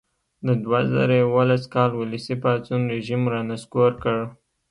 د دوه زره یوولس کال ولسي پاڅون رژیم را نسکور کړ.